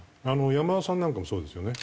山田さんなんかもそうですよね。